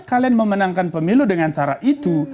kalian memenangkan pemilu dengan cara itu